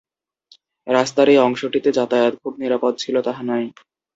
রাস্তার এই অংশটিতে যাতায়াত যে খুব নিরাপদ ছিল, তাহা নয়।